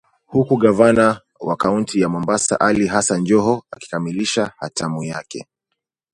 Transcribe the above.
Huku gavana wa kaunti ya Mombasa Ali Hassan Joho akikamilisha hatamu yake